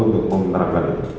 untuk menerapkan itu